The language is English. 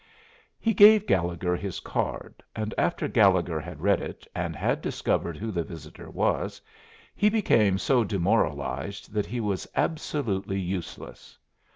He gave Gallegher his card, and after Gallegher had read it, and had discovered who the visitor was, he became so demoralized that he was absolutely useless.